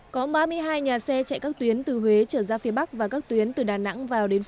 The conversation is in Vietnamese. có ba mươi hai nhà xe chạy các tuyến từ huế trở ra phía bắc và các tuyến từ đà nẵng